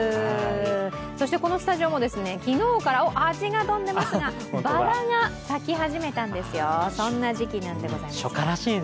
そしてこのスタジオも昨日からハチが飛んでますがバラが咲き始めたんですよ、そんな時季なんでございます。